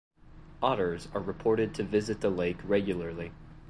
Otters are reported to visit the lake regularly.